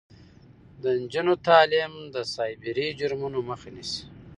د نجونو تعلیم د سایبري جرمونو مخه نیسي.